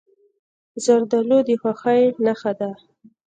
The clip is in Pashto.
زردالو د خوښۍ نښه ده.